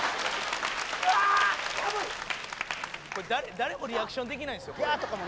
誰もリアクションできないですよ。